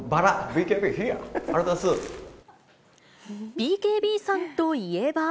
ＢＫＢさんといえば。